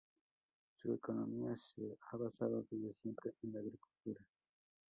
Su economía se ha basado desde siempre en la agricultura.